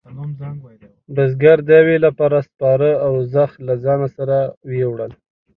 بزگر د یویې لپاره سپاره او زخ له ځانه سره وېوړل.